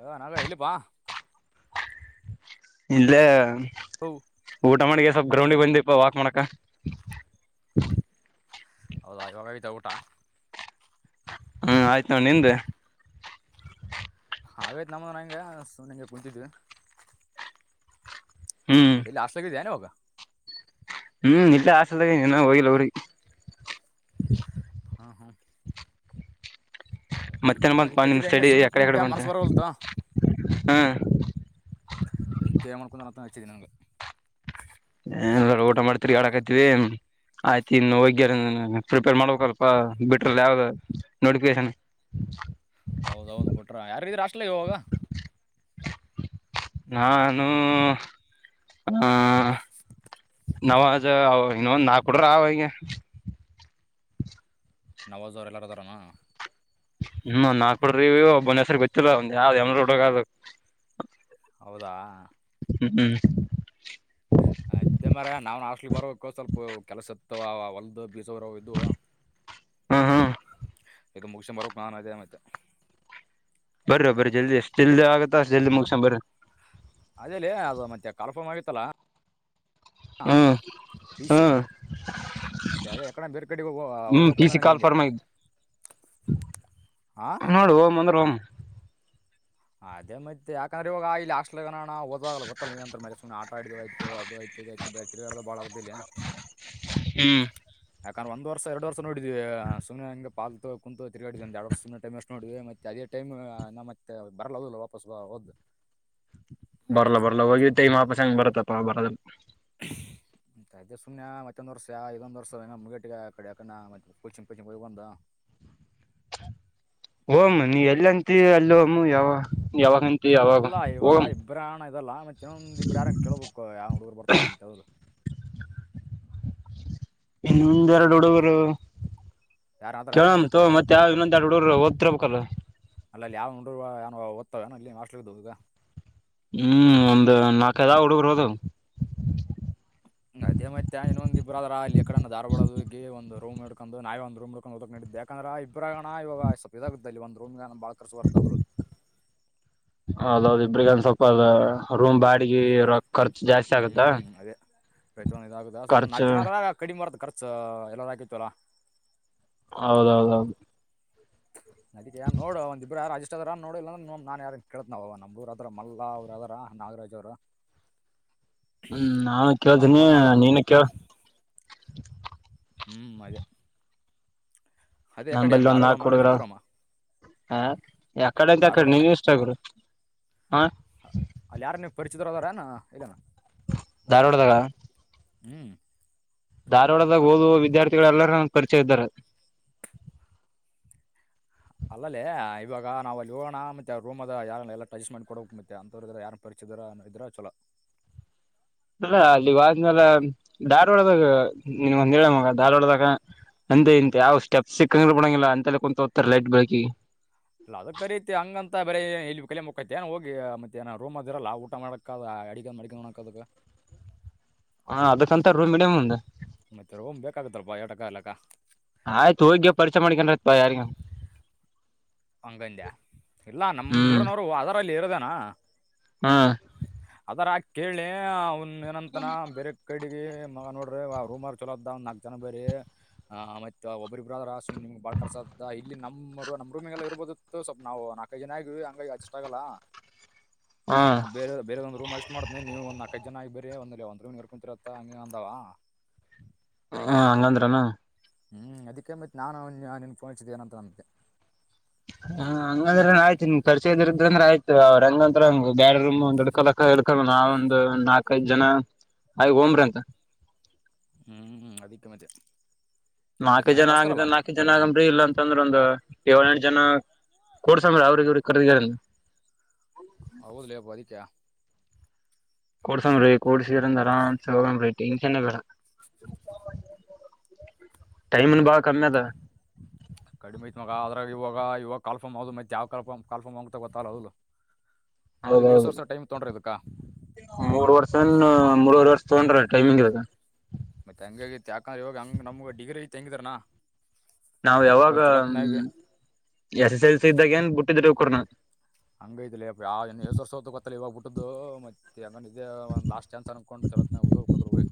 ಹ ನಾಗ ಇಲ್ಲಿ ಬಾ ಇಲ್ಲೇ ಹ ಊಟ ಮಾಡ್ಗೇಸಿ ಸ್ವಲ್ಪ್ ಗ್ರೌಂಡಿಗ ಬಂದಿವಿ ಪಾ ವಾಕ್ ಮಾಡಕ ಹೌದಾ ಇವಾಗ ಆಯ್ತಾ ಊಟ ಹ್ಮ್ ಆಯ್ತು ನೋಡ ನಿಂದ ಹಾಗೈತ್ ನಮ್ಮದುನ ಹಂಗೆ ಸುಮ್ನ್ ಹಿಂಗೆ ಕುಂತಿದಿವಿ. ಹ್ಮ್ ಎಲ್ ಹಾಸ್ಟೆಲ್ ದಾಗ ಇದಿ ಏನ್ ಇವಾಗ ಹ್ಮ್ ಇಲ್ಲೇ ಹಾಸ್ಟೆಲ್ ದಾಗ ಇದಿನಿ ಹಿನಾ ಹೋಗಿಲ್ಲ ಊರಿಗಿ ಹಾ ಹಾ ಮತ್ತೆನ ಅದಕ್ಕೆ ಬಂತಪಾ ನಿಮ್ ಹಚ್ಚಿದೆ ಹಂಗೆ ಸ್ಟೈಡಿ ಸುಮ್ಮನೆ ಯಕಡಿ ಯಕಡಿ ಕುಂತಿದ್ದೆ ಬಂತ ಮನಸ್ಸು ಬರವಲ್ತು ಹ ಚಿದೀನಂಗ್ ಎನಿಲ್ಲ ಊಟ ಮಾಡಿ ತಿರ್ಗ್ಯಾಡಕತಿವಿ ಆಯ್ತ ಇನ್ನು ಹೋಗಿಕೆರಿನ್ ಪ್ರಿಪೇರ್ ಮಾಡ್ಬೇಕಲ್ಪ ಬಿಟ್ರರಲ್ಲ ಯಾವ್ದ ನೋಟಫಿಕೇಶನ್ ಹೌದೌದು ಬಿಟ್ರ ಯಾರ ಯಾರ್ ಇದೀರಿ ಹಾಸ್ಟೆಲ್ಗ ಇವಾಗ ನಾನು ಆ ನವಾಜ ಅವ ಇನ್ನೊಂದು ನಾಕ ಹುಡಗುರು ಆವ್ ಹಿಂಗೆ ನವಾಜ ಅವ್ರು ಎಲ್ಲರು ಅದರೇನ ಹ್ಮ್ ನಾಕ್ ಹುಡುಗರು ಇವಿ ಒಬ್ಬೊನ ಹೆಸ್ರ ಗೊತ್ತಿಲ್ಲ ಒಂದ್ ಯಾವ್ದ್ ಎಮ್ರಾ ಹುಡಗ ಅದು ಹೌದಾ ಹ್ಮ್ ಹ್ಮ್ ಇದ್ದೆ ಮಾರಾಯ ನಾವು ಹಾಸ್ಟೆಲ್ಗಿ ಬರ್ಬೇಕು ಸ್ವಲ್ಪ ಕೆಲಸ ಇರ್ತವ ಅವ ಹೊಲದು ಬೀಜ ಹುರವು ಇದ್ವು ಹ್ಮ್ ಹ್ಮ್ ಇದು ಮುಗಿಸಿಗೆಮ್ ಬರ್ಬೇಕ ನಾನ ಅದೇ ಮತ್ತೆ ಬರ್ವೋ ಬರಿ ಜಲ್ದಿ ಎಷ್ಟು ಜಲ್ದಿ ಆಗತ್ತ ಅಷ್ಟ ಜಲ್ದಿ ಮುಗೆಸೆಂಬ ಬರ್ರಿ ಅದೇಲೆ ಅದು ಮತ್ತೆ ಕಾಲ್ ಫಾರ್ಮ್ ಆಗಿತ್ತಲ್ಲ ಹ ಹ್ಮ್ ಪಿ ಸಿ ಹ್ಮ್ ಮತ್ತೆ ಅದೆ ಯಕಡೆ ಬೇರೆ ಕಡಿಗ ಹೋಗವ ಹ್ಮ್ ಓದಕ ಪಿ ಹೊಗಮ್ ಸಿ ನೆಂದೇ ಕಾಲ್ ಹಿಂಗೆ ಫಾರ್ಮ್ ಆಗಿದ್ದು ಹಾ ನೋಡು ಓಮ್ ಅಂದ್ರ ಓಮ್ ಅದೇ ಮತ್ತೆ ಯಾಕಂದ್ರ ಇವಾಗ ಹಾಸ್ಟೆಲ್ ಇಲ್ಲೆ ಇರಣ ಅಣ್ಣ ಒದದ ಅಗಲ್ಲ ಗೊತ್ತಲ್ಲ ನಿಯಂತರ ಮ್ಯಾಲೆ ಸುಮ್ನೆ ಆಟ ಆಡಿದು ಆಯ್ತು ಅದು ಆಯ್ತು ಇದು ಆಯ್ತು ಬೆ ತಿರ್ಗ್ಯಾಡದ ಬಾಳಾ ಅಗತ್ ಬಿಲ್ಯ ಹ್ಮ್ [unintelligible] ಯಾಕಂದ್ರ ಒಂದ್ ವರ್ಷ ಎರಡು ವರ್ಷ ನೋಡಿದ್ವಿ ಸುಮ್ನೆ ಹಂಗ ಪಾಲ್ತು ಕುಂತು ತಿರುಗಾಡಿಕೆಂತ ಎರಡು ವರ್ಷ್ ಸುಮ್ನೆ ಟೈಮ ವೆಷ್ಟ ಮಾಡಿವಿ ಮತ್ತೆ ಅದೇ ಟೈಮ್ ನ ಮತ್ತೆ ಬರಲ್ಲ ಹೌದಿಲ್ಲ ವಾಪಸ್ ಬಾ ಓದು. ಬರ್ಲಾ ಬರ್ಲ್ಲ ಹೋಗಿದ್ದ ಟೈಮ್ ವಾಪಸ್ ಹೆಂಗ್ ಬರತ್ತಪ್ಪಾ ಬರಲ್ಲ ಅದ್ಕೆ ಸುಮ್ನೆ ಮತ್ತೊಂದ್ ವರ್ಷ ಯಾ ಇದೊಂದ್ ವರ್ಷ ಮುಗಟ್ಟಿಗೆ ಆ ಕಡೆ ಯಾಕನ ಕೊಚಿಂಗ ಪಿಚಿಂಗ ಹೋಗಿ ಬಂದ ಹೋಗಮ್ ನೀ ಎಲ್ಲಿ ಅಂತಿ ಅಲ್ಲಿ ಹೋಗಮು ಯಾವ ಯಾವಾಗಂತಿ ಯಾವಾಗ ಅಲ್ಲ ಇವಾಗ ಓಮ್ ಇಬ್ರೆ ಅನ್ನಣ ಇದಲ್ಲಾ ಮತ್ತೆ ಇನ್ನೊಂದ್ ಇಬ್ರು ಯಾರನ ಕೇಳ್ಬೇಕು ಯಾ ಹುಡುಗರು ಬರ್ತರೆನ್ ಅಂತ ಹೌದಿಲ್ಲ ಇನ್ನೊಂದ್ ಎರಡ್ ಹುಡುಗುರು ಯಾರು ಆದ್ರೆ ನಿಮ್ಮ ಕೇಳಮ್ ತೊಗೊ ಲೆಕ್ಕದಾಗ ಮತ್ ಯಾವ್ ಇನ್ನೊಂದ ಎರಡ ಹುಡುಗುರು ಒದತಿರ್ ಬೇಕಲ್ಲ ಅಲ್ಲ ಅಲ್ಲಿ ಯಾವ್ [unintelligible] ಯಾನ್ ಓತಾವೆನ್ ಅಲ್ಲಿ ಹಾಸ್ಟೆಲ್ ಇದ್ದು ಇದಾ ಹ್ಮ್ ಒಂದ ನಾಲ್ಕೈದಾವ ಹುಡುಗುರ್ ಓದಾವ್ ಅದೇ ಮತ್ತೆ ಇನ್ನೊಂದ ಇಬ್ಬರು ಆದ್ರ ಅಲ್ಲಿ ಈಕ್ಕಡನಾ ಧಾರವಾಡ ಅದು ಇಗ್ಗಿ ಒಂದ ರೂಮ್ ಹಿಡ್ಕೊಂಡು ನಾವೇ ಒಂದ ರೂ ಹಿಡ್ಕುಓದಕ ನಡಿದ್ದೆ ಯಾಕಂದ್ರೆ ಇಬ್ರಾಗಣ ಇವಾಗ ಸ್ವಪ್ ಇದಾಗ ಅಲ್ಲಿ ಒಂದು ರೂ್ ಬಾಳ ಖರ್ಚ ಬರತದ ಹೌದೌದು ಇಬ್ರಿಗಂದ್ರ ಸ್ವಲ್ಪ ಅದ ರೂಮ್ ಬಾಡಿಗಿ ರೋಕ್ಕ ಖರ್ಚು ಜಾಸ್ತಿ ಆಗತ್ತ ಹ್ಮ್ ಅದೇ ಸ್ವಲ್ಪ ನಾಕ ಜನ ಅದರ ಕಡಿಮ ಬರತ್ ಖರ್ಚ ಎಲ್ಲಾರ ಆಕಿತ್ತು ಅಲ ಹೌದೌದೌದು ನದಕ್ಕೆ ಯ ನೋಡು ಒಂದಿಬ್ಬರ ರಾಜ ದ ನೋಡಿ ಅಂದ್ರೆ ನಾನ್ ಯಾರ ಕೇಳಳ್ತ್ ನಾವ್ ನಮ್ೂರು ಅದ ಮಲ್ಲಾ ಅವ್ರ ಅದಾರ ನಾಗರಾಜ್ ಅವ್ರರು ಹ್ಮ್ ನಾನು ಕೇಳ್ತೀನಿ ಬೋನಾಳ ನೀನು ಕೇಳು [inaudible] ಹ್ಮ್ ಮದೆ ನಂಬಲ್ಲಿ ಒಂದು ಹಾಕ ಕುಡುಗರ ಬಿಜಾಪುರಮ್ಮ ಹ ಎಕಡೈಂತ ಅಡೆ ಧಾರವಾಡಮ್ಮ ನೀವ ಇಷ್ಟರು ಹ ಚಿತ್ರದಾರನಾ ಇದನಾ ಧಾರವಾಡದಾಗ ಹ್ಮ್ ಧಾರವಾಡದಾಗ ಓದುವ ವಿದ್ಯಾರ್ಥಿಗಳೆಲ್ಲರ ಪರಿಚಯ ಇದ್ದಾರೆ ಅಲ್ಲಲ್ಲೇ ಇವಾಗ ನಾವವು ಅಲ್ಲಿೋಣ ಮತ್ತೆ ರೂಮದ ಯಾರ ಎಲ್ಲ ಟಜಸ್ಟ್ ಮಾಡಿ ಕೊಡಬೇಕಕ್ ಮತ್ತೆ ಅಂತವ್ರ ಇದ್ರ ಯಾರು ಪರಿಚಿತರ ಅನ್ನೋ ಇದ್ರ ಚಲೋ ಅಲ್ಲ ಅಲ್ಲಿ ವಾದ ಮೇಾಲ ಧಾರವಾಡ ಒಡದಾಗ ನಿನ್ಗ ಒಂದ ಹೇಳ ಮಗ ದಾರ್ ಒಡದಾಗ ಅಂದೆ ಹ್ಞೂ ಇಂತ ಯಾವ ಸ್ಟೆಪ್ ಸಿಕ್ ಕನರ್ ಬೋಂಗಿಲ್ಲ ಅಂತಲ್ಲ ಕ ಕುಂತತ ಹೋಗತಾರೆ ಲೈಟ್ ಬೆಳಕಿ ಇಲ್ಲ ಅದ ಕರಿೀತಿ ಹಂಗಂತ ಮತ್ತ ಬರ ಇಲ್ಲಿ ಕಲಯ ಮುತಿಏ ಹೋಗಿ ಮತ್ತೆ ಏನ ರೂಮ ಅದಿರಲ್ಲ ಊಟ ಮಾಡಕ ಅಡ ಮಡ ನೋಕ ಅದ ಹಾ ಅದಕ್ಕಂತ ರೂ ಮಿಡಿಯಮ್ ಒಂದ್ ಮತ್ತೆ ರೋಮ್ ಬೇಕಾಗತ್ಲ್ ಬಾ ಎಟಕಲಕ್ಕ ಆಯ್ತು ಹೋಗಿ ಪರಿಚಯ ಮಾಡ್ಕೊಂಡ ಆತ್ವಾ ಯಾರಿಗ ಹಂಗಂದ್ಯಾ ಇಲ್ಲಾ ನಮ್ಮ್ ಊರನವರು ಅದರ ಇಲ್ಲಿ ಇರೋದನಾ ಹಾ ಕೇಳೆ ಅವನ್ ಏನಂತನ ಬೇರೆ ಕಡೆಗೆ ಮಗ ನೋಡ್ರಿ ಆ ರೂಮರ್ ಚಲೋದ ಒ್ ನಾಕ್ ಜನ ಬೇರಿ ಆ್ ಮತ್ತತ್ ಒಬ್ಬ್ರಬ್ಬರ್ರ ನಿಮ್ ಬಾಳ್ ಕರ್ಸ ಇಲ್ಲಿ ನಮ್ಮರು ನ ನಾವು ನಾಲ್ಕೈದು ಜನ ಆಗವಿ ಹಂಗಾಗಿ ಅಷ್ಟ ಆಗಲ್ಲ ಹ್ಮ ಬೇರೆ ಬೇರೆ ಒಂದ್ ರೂಮ್ ಅಷ್ಟಟ್ ಮಾಡ್ತೀಿ ನೀವು ಒಂದ ನಲ್ಕೈದು ಜನ ಆಗಿ ಬೇ ಒಂದ ಒಂದ ಮಿನವರೆ ಕು ಮುಂಚಿರುತ್ತಾ ಹಂಗೆ ಅಂದಾವ ಹ್ಮ ಹಂಗಂದ್ರನು ಹ್ಮ್ ಅದಕ್ಕೆೇಂಬತ್ ನಾನು ನಿನ್ ಫೋನ್ ಇಸಿದ ನಂತ ನಮಗೆ ಹಾ ಹಂಗಂದ್ರ ಆಯ್ತು ಕರ್ಸದ ಇದಂದ್ರ ಆಯ್ತು ಅವ್ರ ಹಂಗಂತಂಗ ಬ್ಯಾಡ ರೂಮ್ ಒಂದ್ಡ್ಕ ಹಡ್ಕಲ್ಲ ನಾವ ಒಂದ ನಾಕೈದ್ ಜನ ಆ ಹಂಬ್ರ ಅಂತ ಹ್ಮ್ ಹ್ಮ್ ಅದಕ್ಕೆ ಮಟ ನಾಲ್ಕು ಜನ ಆಗಿದ ನಾಲ್ಕು ಜನ ಆಗಂಬ್ರಿ ಇಲ್ಲಾಂತಂದ್ರ ಒಂದು ಏಳ ಎಂಟು ಜನ. ಕೊಡ್ಸಾಮ್ರ ಅವ್ರಿಗೆ ಇವ್ರಿಗೆ ಕರ್ದಾರ. ಹೌದಲಪ್ಪ ಅದಿಕ. ಕೊಡ್ಸನ್್ರೀ. ಕಡಿ ಸೀರ ತರ ಸು. ಟೆನ್ನ್ ಬೇಡ ಟೈಮ್ ಬ. ಕಡಿಮಹಿತ ಮಗ ಅವ. ಇವಾಗ ಇವಾಗ ಕಲ್ಫಮ್ ಅೌದು ಮತ್ತೆ ಯಾವ್ ಕಲ್ಫ್ ಕಾಫಮ್ ಹಂಗಂತ ಗೊತ್ತಲ್ಲ ಅದಲು. ಹೌದೌದು ಮೂರ್ ವರ್ಷನ್ ಮೂವರ್ ವರ್ಷ ತೊಂದ್ರ. ಟೈಮಿಂಗ್ ಇರದ. ಮತ್ತೆ ಹಂಗ ಯಾಕಂದ್ರೆ ಇವಾಗ ಹಂಗ ನಮ್ಗ ಡಿಗ್ರಿ ತಂಗಿದಾರನಾ. ನಾವ್ ಯಾವಾಗ ಹ್ಮ ಎಸ್ ಎಸ್ ಎಲ್ ಸಿ ಇದ್ದಾಗ ಏನ್ ಬಿಟ್ಟಿದರು. ಕೊನಾದು. ಹಂಗೈತಿಲಿ ಎಷ್ಟ ವರ್ಸತ್ತು ಗತ್ತಲ್ಲ ಇವಾಗ ಬಿಟ್ಟದ್ದು ಮತ್ತೆ. ಂಗ ಇೇ ಒಂದು ಲಾಸ್ಟ್ ಚಾನ್ಸ್ ಅನ್ಕೊಂಡು ಚೋಗ್.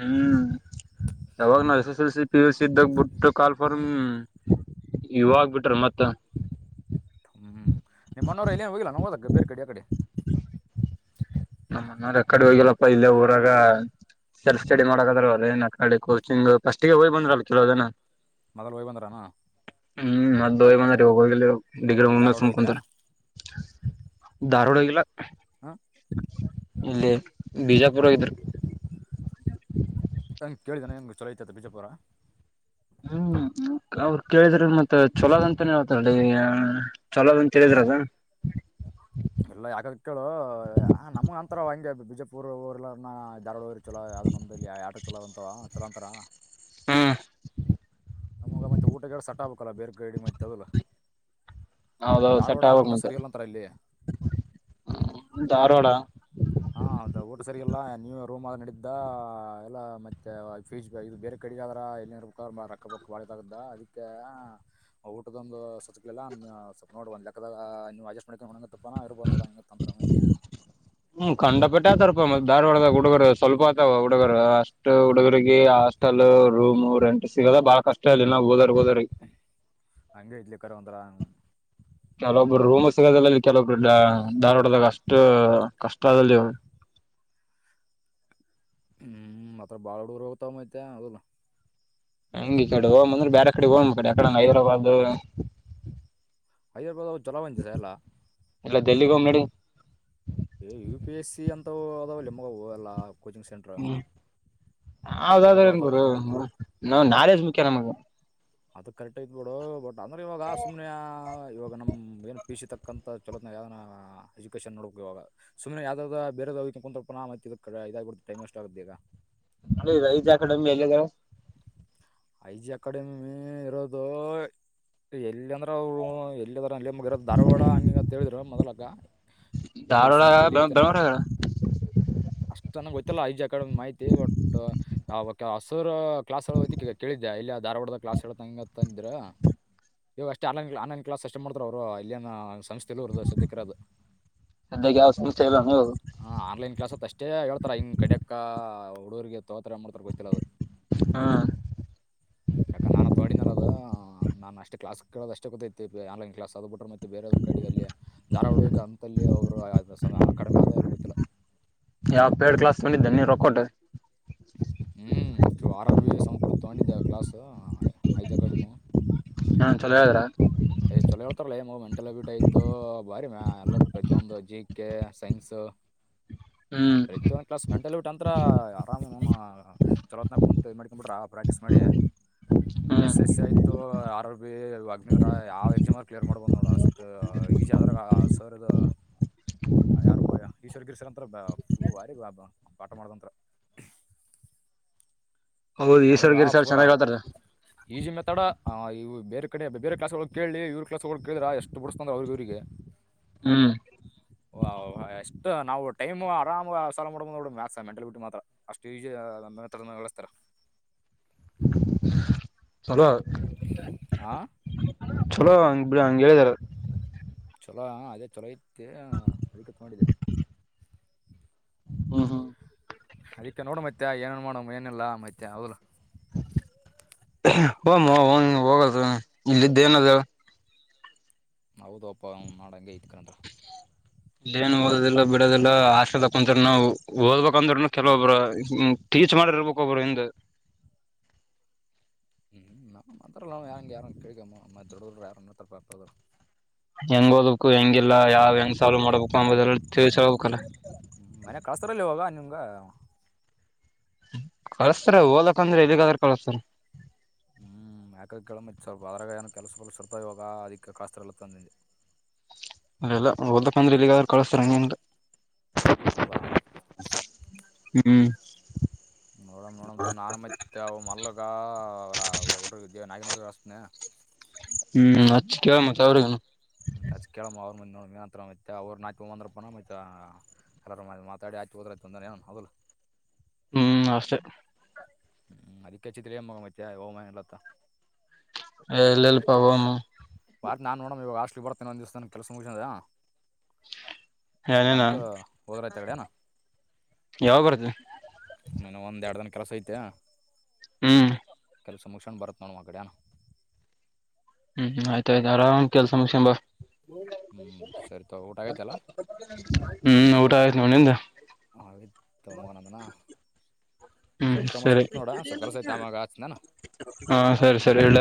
ಹ್ಮ್. ಯಾವಾಗ ನಾವ್ S S L C P S C ಇದ್ದಾಗ ಬಿಟ್ಟು ಕಾಲ್ ಫಾರಮ್ ಇವಾಗ ಬಿಟ್ರ ಮತ್ತ. ಹ್ಮ್ ನಿಮ್ಮನವರ ಎಲ್ಲಿ ಏನು ಹೋಗಿಲ್ಲ ನಾ ಹೋದಕ್ಕೆ ಬೇರೆ ಕಡೆಯ ಕಡೆ. ನಮ್ಮನ್ರ ಅಕಡೆ ಹೋಗಿಲ್ಲಪ್ಪಾ ಇಲ್ಲೇ ಊರಾಗ ಸೆಲ್ಫ್ ಸ್ಟಡಿ ಮಾಡಕದ್ರ ಅದ ಏನ್ ಅಡೆ ಕೋಚಿಂಗ್ ಫಸ್ಟ್ಗೆ ಹೋಗ್ ಬಂದ್ರಲ್ ಕೆಲೋದನ. ಮೊದಲು ಒಯ್ ಬಂದ್ರಾನ. ಹ್ಮ್ ಮ ದವೆ ಮಂದರಿ ಹೋಗಗ. ಡಿಗ್ರ ಇಲ್ಲಿ ಮುೆ ಧಾರವಾಡ ಹೋಗಿದ್ರೆ ಸಕಂತಾರೆ ಏನು ದಾರುಡಲ್ಲ. ಇಲ್ಲಿ ಬಿಜಾಪುರಾಗಿದ್ರು ಹಂಗ್ ಕೇಳಿದಾನ ಹೆಂಗ ಚಳೋತತೆ ಬಿಜಾಪುರ. ಹ್ಮ್ ಅವ್ರ ಕೇಳಿದ್ರ ಮತ್ತ ಚಲೋದ್ ಅಂತಾನೇ ಹತಿ ಚಲೋದ ಅಂತೇಳಿದ್ರದ. ಇಲ್ಲ ಯಾಕದ ಕೇಳು ಆ ನಮ್ಗ ಅಂತರ ಹಂಗೆ ಬಿಜೆಪುರ್ ಊರ್ಲ್ಲ ಧಾರ್ಡ ಊರ್. ಚಲೋ ಯಾವ್ದ ನಮ್ ಇ ಆಟೋ ಚಲೋ ಅಂತ. ಚಲೋಂತರಾ. ಹ್ಮ. ನಮಗ ಮತ್ತೆ ಊಟಗಳ ಸಟ್ ಆಬಬೇಕಲ್ಲ ಬೇರೆ ಗೈ ಮತ್ತ ಅದಲ್ಲಾ. ಹೌದದು ಸೆಟ್ ಆಗೋಗ ಮಂತಂತ ಅಂತಾರ ಇಲ್ಲಿ ಧಾರವಾಡ. ಹಾ ಅದ ಊಟ ಸರಿಯಲ್ಲ ನೀವು ರೂಮ್ ಆದ ನಡಿದ್ದ ಎಲ್ಲ ಮತ್ತೆ ಫೀಜ್ ಇದು ಬೇರೆ ಕಡೆಗ ಆದ್ರ ಎಲ್ಲಿ ಇರ್ಬೇಕ ರೊಕ್ಕ ಬೊಕ್ಕ ಬಾಿದಾಗದ ಅದಕ್ಕೆ ಊಟದೊಂದು ಸತ್ಕ್ಲಿಲ್ಲ ನೋಡ್ಬ್ ಲೆಕ್ಕದಾಗ ನೀವು ಅಡ್ಜಸ್ಟ್ ಮಾಡ ನೋಡ ತಪ್ಪಾನ ಇರ್ಬ್ ನೋಡಂಗ ತಂತ್ರ ಮುಂದೆ. ಹ್ಮ್ ಕಂಡಪಟ್ಟೆ ಆತಾರಪ್ಪ ಮತ್ತ ಧಾರವಾಡದಾಗ ಹುಡುಗರು ಸ್ವಲ್ಪ ಆತವ ಹುಡುಗರು ಅಷ್ಟ್ ಹುಡುಗರಿಗೆ ಹಾಸ್ಟೆಲ್ ರೂಮ್ ರೆಂಟ್ ಸಿಗದ ಬಾಳ ಕಷ್ಟ ಇಲ್ಲಿ ನಾವು ಹೋದ. ಹಂಗ ಇಡ್ಲಿಕ್ಕಾರ ಒಂದರ. ಚಲೊ ಒಬ್ಬರು ರೂಮ ಸಿಗದಲ್ಲ. ಕೆಲವ ಕ್ರಡ ಧಾರ್ವಾಡದಾಗ ಅಷ್ಟು. ಅಷ್ಟು ಕಷ್ಟ ಆದದಲ್ಲಿ ಅವ. ಹ್ಮ್ ಮಾತ್ರ ಬಾಳ ಹುಡುರು ಹೋಗ್ತಾವ ಮೈತೆ ಅದಲ್. ಹಂಗ ಈ ಕಡೆ ಹೋಗ್ ಅಂದ್ರೆ ಬೇರೆ ಕಡೆ ಹೋಗ ಕಡೆ ಯಕಡಂಗ ಹೈದ್ರಾಬಾದ್. ಹಐ್ಯಾರಪ ತಗೋಮಂದಿರ ಎಲ್ಲ ಇಲ್ಲ ಡೆಲ್ಲಿಗೆ ಹೋಗಮಾ ನಡೀ ಏ ಯು ಪಿ ಎಸ್ ಸಿ ಅಂತವು ಅದಾವ ನಿಮಗ ಎಲ್ಲ ಕೋಚಿಂಗ್ ಸೆಂಟ್ರ್ ಹ್ಮ್ ಯಾವ್ದಾದ್ರೆ ಏನ್ ಹೈದರಾಬಾದ್ ಗುರು ನಾ ನಾಲೆ ಜ್ ಮುಖ್ಯ ನಮಗ ಅದು ಕರೆಕ್ಟ್ ಐತಿ ಬಿಡ ಅಂದ್ರೆ ಇವಾಗ ಸುಮ್ನೆ ಇವಾಗ ನಮ್ ಏನ್ ಪಿ ಯು ಸಿ ತಕ್ಕಂತ ಚಲೋನ ಯಾವ ಎಜುಕೇಶನ್ ನೋಡಬೇಕುವಾಗ ಸುಮ್ನೆ ಯಾವ್ದಾವ್ದ ಬೇದ ಕು ಮತ್ತ ಇದ ಇದಾಗಿಬಡ್ೆ ಟೈಮ್ ವೇಸ್ಟ್ ಆಗುತ್ತೆ ಈಗ ದೇ ಈಗ ಈಜ ಕಡಮ್ಮಿ ಎಲ್ಲ ಐ ಜಿ ಅಕಾಡೆಮಿ ಇರೋದು ಎಲ್ಲೆಂದ್ರ ಅವ್ರು ಎಲ್ಲಾರ ಅಲ್ಲಿ ಮುಗಿರೋ ಧಾರವಾಡ ಹಂಗಿನಿಂಗ ತಿಳಿದ್ರ ಮೊದಲ ದ ಇವರು ಧಾರವಾಡ ಒಂದಸ ತಲತನ ಬೆಂಗಳೂರಾಗ ಅಷ್ಟನ ಆಯಿತಲ್ಲ ಇ ಜಿ ಕಡೆ ಮಾಹಿತಿ ಒಟ್ ಹ ಕೆ ಅಸುರ ಕೇಳಿದ್ದ ಇಲ್ಲ ಧಾರವಾಡದ ಕ್ಲಾಸ್ ಹೇಳತಂಗ ತಂದರು ಇವ ಅಷ್ಟೇ ಆನ್ೈನ್ ಆನ್ಲೈನ್ ಕ್ಲಾಸ್ ಅಷ್ಟೇ ಮಾಡ್ತಾರ ಅವ್ರು ಇಲ್ಲಿನ ಸಂಸ್ಥೆ ತಿಲದು ಸ್ಯಕ್ಕರೋದು ಸದ್ಯಕ್ಕೆ ಯಾವ ಸಂಸ್ಥೆ ಇಲ್ಲ ನೀವು ಹ ಆನ್ಲೈನ್ ಕ್ಲಾಸ್ ಅಷ್ಟೇ ಹೇಳ್ತಾರ ಹಿಂಗ ಕಡ್ಯಕ್ಕ ಹುಡರ್ಗೆ ತೋತ್ರೆ ಮಾಡಡ್ತಾರೆ ಗೊತ್ತಲವು ಹ್ಮ್ ಅಕ್ಕ ನಾನು ತೋಡ ನಲ ನಾನನ್ ಅಷ್ಟ ಕ್ಲಸ್ ಕೇಳೋ ಅಷ್ಟ ಗೊತ್ತೈತಿ ಆನ್ಲೈನ್ ಕ್ಲಾಸ್ ಆದ್ಬ ಬಿಟೆ ಮತ್ತೆ ಬೇರೆ ಅದ ಕಡೆ ಅಲ್ಲಿ ಧಾರವಾಡಗೆ ಅಂತಲ್ಲಿೋಗರು ಆ ಕಡಿಮೆ ಆದ ಎಲ್ಲ ಗೊ್ತ್ತಲ್ಲ ಯಾವ ಪೇಡ ಕ್ಲಾಸ್ ಬಂದಿದ್ದೆ ನೀ ರೊಕ್ಕ ಕೊಟ್ ಹ್ಮ್ಿವ್ ಆರ್ ಆರ್ ಬಿ ಸಂಪಡ್ ತಗೊಂಡಿದ್ದೆ ಕ್ಲಾಸ್ ಇ ಜಿ ಅಕಾಡೆಮಿ ಹಾ ಚಲೋ ಹೇಳಿದ್ರ ಏ್ ಚಲೋ ಹೇಳ್ತಾರಲ್ಲಗ ಮೆಂಟಲ್ ಅಬಿಲಿಟಿ ಆಯ್ತು ಬಾರಿ ಮ ಅಲ್ಲ ಪ್ರತಿ ಒಂದು ಜಿ ಕೆ ಸೈನ್ಸ್ ಹ್ಮ್ ಪ್ರತಿಯೊಂದ್ ಕ್ಲಾಸ್ ಮೆಂಟಲ್ ಅಬಿಲಿಟಿ ಅಂತರ ಆರಾಮ ಚಲೋತ್ ಕುಂತ ಮಾಡಕೊಂಡ್ಬಿಟ್ರ ಪ್ರಾಕ್ಟೀಸ್ ಮಾಡಿ ಹ್ಮ್ ಎಸ್ ಎಸ್ ಸಿ ಆಯ್ತು ಆರ್ ಆರ್ ಬಿಗ್ನಿ ್ರ ಯಾವ ಎಕ್ಸಾಮಲ್ಲಿ ಕ್ಲಿಯರ್ ಮಾಡ್ಬೋ್ ನೋಡು ಅಷ್ಟ ಈಜಿ ಆದ್ರಾಗ ಸರ್ ಇದು ಯಾರಪ್ಪ ಈಶ್ವರ್ ಗಿರಿ ಸರ್ರ್ಂತ ಫುಲ್ಲು ವಾರಿ ಪಾಠ ಮಾಡ್ದಂತ ಹೌದು ್ರೆ ಈಶ್ವರ್ ಆ ಗಿರ್ ಸರ್ ಪೂರಾ ಚೆನ್ನಾಗ್ ಹೇಳ್ತಾರ ಈಜಿ ಮೆತಾಡ ಇ ಬೇರೆ ಕಡೆ ಬೇರೆ ಕ್ಲಸ್ಗಳಗಳು ಕೇಳ ಇವ್ರ ಕ್ಲಸ್ಗಳಗಳು ಕೇಳಿದ್ರ ಎಷ್ಟು ಬುಡುಸ್ತಾ ಅಂದ್ರ ಅವ್ರಿಗೆ ಇವ್ರಿಗೆ ಹ್ಮ್ ವಓ ಭಷ್ಟ ನಾವು ಟೈಮ್ ಆರಾಮ್ ಸಾಲ ಮಾಡಬ್ ನೋ ಮ್ಯಾತ್ ಮೆಂಟಲಿಟಿ ಮಾತ್ರ ಅಷ್ಟು ಈಜಿಸಸ್ತಾರೆ [inaudible] [unintelligible] ಚಲೋ ಹಾ [unintelligible] ಚಲೋ [unintelligible] ಹಂಗ್ ಹೇಳಿದಾರ ಚಲೋ ಅದೇ ಚಲೋ ಇತ್ತ ಅದಕ್ಕೆ ತಗೊಂಡಿದೆ ಹ್ಮ ಹಾ ಅದಕ್ಕೆ ನೋಡ ಮತ್ತೆ ಏನನ್ ಮಾಡಮ್ ಏನಿಲ್ಲ ಮತ್ತೆ ಹೌ [unintelligible] ಹೊಮ್ಮೋ ಹೋಗದು [unintelligible] ಇಲ್ಲಿದ್ದ ಏನದ ಹೇಳು ಹೌದಪ್ಪ ನಾಡಂಗೆ ಐತ್ಕಂತ ಇಲ್ಲೇನ್ ಓದೋದಿಲ್ಲ ಬಿಡದಿಲ್ಲ ಹಾಸ್ಟೆಲ್ ದಾಗ ಕುಂತರುನು ಓದ್ಬೇಕಂದ್ರನು ಕೆಲವೊಬ್ರು ಟೀಚ್ ಮಾಡೊರಿರ್ಬೇಕು [unintelligible] ಒಬ್ರು ಹಿಂದ ಹ್ಮ್ ನ ಮಾತ್ರಲ್ಲ ಯಾರಂಗ ಯಾರು ಕೇಳಿಕೆಮ್ಮು [unintelligible] ಮತ್ರೊಡ ಯಾರ ಹೆಂಗ್ ಓಡ್ಬೇಕು ಹೆಂಗಿಲ್ಲ ಯಾವ್ ಹೆಂಗ್ ಸಾಲ್ವ್ ಮಾಡ್ಬೇಕು ಅಂಬುದಲ್ಲ [unintelligible] ತಿಳ್ಸ ಹೇಳ್ಬೇಕಲ್ಲ ಹ [unintelligible] ಕಳಸ್ತಾರ ಓಕಂದ್ರೆ ಎಲ್ಲಿಗಾದ್ರ ಕಳಸ್ತಾರ ಹ್ಮ್ ಯಾಕ ಕೇಳ ಸ್ವಲ್ಪ ಅದ್ರಾಗ [unintelligible] ಏನ ಕೆಲಸ ಗಿಲಸ ಇರ್ತಾವ ಇವಾಗ ಅದಿಕ್ಕೆ ಕಾಸ್ತರಿಲ್ಲ ಅಂತ ಅಂದಿ ಅಲ್ಲಲ್ಲಾ ಓದಕ್ಕ ಅಂದ್ರೆ ಎಲ್ಲಿಗಾದ್ರ ಕಳಸ್ತಾರ ಹಂಗೇನಿಲ್ಲ ಹೌದ ಹ್ಮ್ ನೋಡಮ್ ನೋಡಮ ನಾನ ಮತ್ತೆ ಮಲ್ಲಗ ಅವರ್ ಹುಡುಗ [unintelligible] ನಾಗ್ಯಾನವರಿಗೆ ಹಚ್ಚುತಿನಿ ನ [unintelligible] ಹ್ಮ್ ಅಚ್ಚ ಕೇಳ ಮತ್ತ ಅವರಿಗಿನೂ ನಂತ್ರ ಮತ್ತ ಅವ್ರ ನಾಯುಂದನ ಮ ಎಲ್ಲ ಮಾತಾಡಿ ಆಯತು ಹೋದ್ರಯಂದ ಏನ ಹದ [unintelligible] ಹ್ಮ್ ಅಷ್ಟೇ ಹ್ಮ್ ಅದಿಕ್ಕೆ ಅಚ್ಚಿದ್ದೆ [unintelligible] ಮತ್ಯಾ ಹೋಗಮ ಏನ್ ಇಲ್ಲ ಅಂತ ಎ ಇಲ್ಲ ಇಲ್ಲಪಾ ಹೋಗಮು [unintelligible] ಬಾರಿ ನನ್ ನೋಡಮ ಇವಾಗ ಹಾಸ್ಟೆಲಿಗೆ ಬರ್ತೇನೆ ಒಂದಿಸ್ ದಿನ ಕೆಲ್ಸ ಮುಗಸೇಂ [unintelligible] ದು ಏನೇನ ಬಂದು ಹೋದ್ರ ಆಯಿತು ಅಕಾಡಿ [unintelligible] ಏನು ಯಾವಾಗ ಬರ್ತಿ ಇನಾ ಒಂದ ಎರಡು ದಿನ ಕೆಲಸ ಐತೆ ಹ್ಮ್ ಕೆಲ್ಸ ಮುಗ್ಸಿಹಂಡ್ ಬರತ್ತೀನಿ ನೋಡಮ್ ಆ ಕಡೆ ಏನ್ ಹ್ಮ್ ಆಯ್ತಾಯ್ತು ಆರಾಮ್ ಕೆಲ್ಸ ಮುಗಿಸಿಕೊಂಡು ಬಾ ಹ್ಞೂ ಸರಿ ತಗೋ ಊಟ ಆಗೈತಲ್ಲ ಹ್ಮ್ ಊಟಾ ಆಯ್ತ್ ಹ್ಮ್ ನಿಂದ್ [unintelligible] ಹ್ಮ್ ತಗೋ ಮಚ್ಚ ಸರಿ ಇಡ್ತೀನಿ ನೋಡು ಸ್ವಲ್ಪ ಕೆಲಸ ಐತೆ ಆಮ್ಯಾಗ ಹಚ್ಚು ನಾನು ಹಾ ಸರಿ ಸರಿ ಇಡ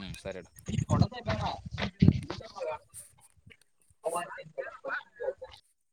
ಹ್ಞೂ ಸರಿ [unintelligible] [unintelligible]